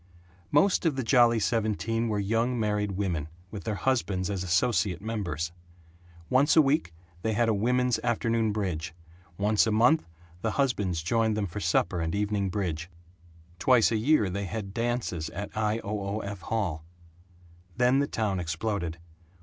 Most of the Jolly Seventeen were young married women, with their husbands as associate members. Once a week they had a women's afternoon bridge; once a month the husbands joined them for supper and evening bridge; twice a year they had dances at I. O. O. F. Hall. Then the town exploded.